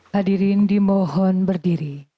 hadirin dimohon berdiri